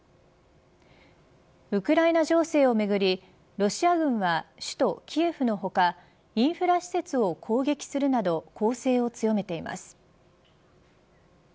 ウクライナ情勢をめぐりロシア軍は首都キエフの他、インフラ施設を攻撃するなど攻勢を強めています。